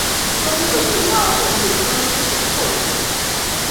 中路的主要建筑分前后两组。